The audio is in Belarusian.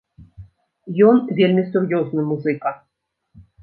Ён вельмі сур'ёзны музыка!